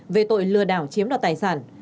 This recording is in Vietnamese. về tội lừa đảo chiếm đoạt tài sản